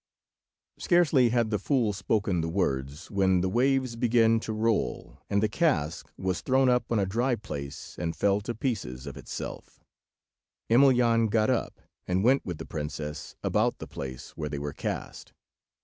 Scarcely had the fool spoken the words, when the waves began to roll, and the cask was thrown up on a dry place and fell to pieces of itself. Emelyan got up and went with the princess about the place where they were cast.